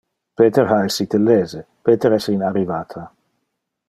Peter ha essite lese. Peter es in arrivata.